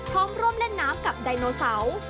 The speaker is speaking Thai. พร้อมร่วมเล่นน้ำกับไดโนเสาร์